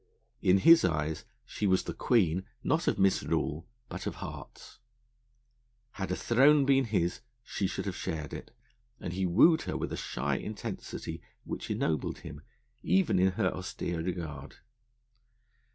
In his eyes she was the Queen, not of Misrule, but of Hearts. Had a throne been his, she should have shared it, and he wooed her with a shy intensity, which ennobled him, even in her austere regard.